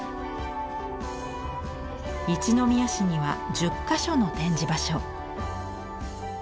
一宮市には１０か所の展示場所。